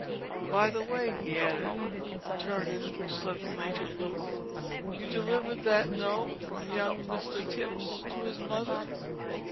By the way," he added, turning suddenly to Loo, "you delivered that note from young Mr Tipps to his mother?"